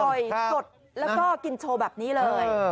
สดแล้วก็กินโชว์แบบนี้เลย